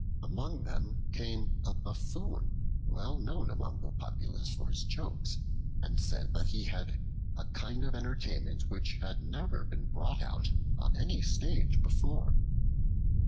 Among them came a Buffoon well known among the populace for his jokes, and said that he had a kind of entertainment which had never been brought out on any stage before.